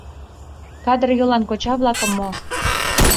Кадыр йолан коча-влакым мо?